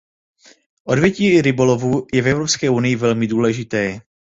Odvětví rybolovu je v Evropské unii velmi důležité.